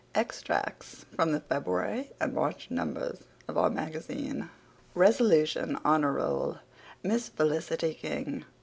EXTRACTS FROM THE FEBRUARY AND MARCH NUMBERS OF "OUR MAGAZINE" RESOLUTION HONOUR ROLL Miss Felicity King.